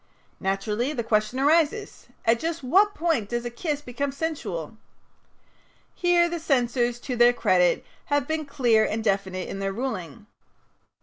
Naturally the question arises: "At just what point does a kiss become sensual?" Here the censors, to their credit, have been clear and definite in their ruling.